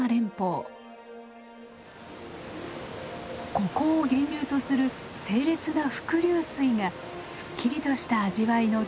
ここを源流とする清冽な伏流水がすっきりとした味わいの決め手です。